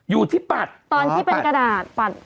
ตอนที่เป็นกระดาษตัวไป